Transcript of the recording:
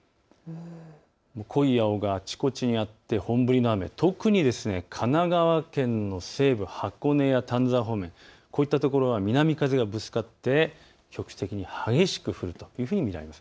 濃い青があちこちにあって本降りの雨、特に神奈川県の西部、箱根や丹沢方面、こういったところは南風がぶつかって局地的に激しく降るというふうに見られます。